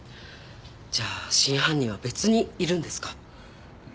じゃあ真犯人は別にいるんですか？